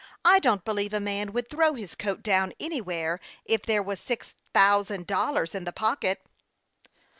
I don't believe a man would throw his coat down anywhere if there was six thousand dollars in the pocket."